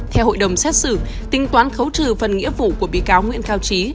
theo hội đồng xét xử tính toán khấu trừ phần nghĩa vụ của bị cáo nguyễn cao trí